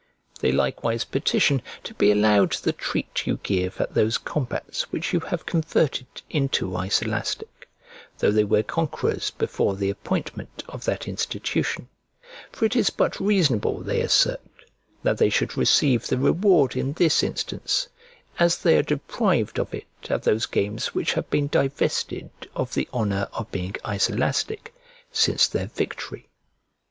They likewise petition to be allowed the treat you give at those combats which you have converted into Iselastic, though they were conquerors before the appointment of that institution: for it is but reasonable, they assert, that they should receive the reward in this instance, as they are deprived of it at those games which have been divested of the honour of being Iselastic, since their victory.